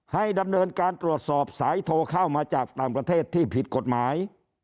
ให้ดำเนินการตรวจสอบสายโทรเข้ามาจากต่างประเทศที่ผิดกฎหมาย